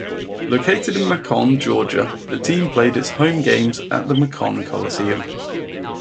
Located in Macon, Georgia, the team played its home games at the Macon Coliseum.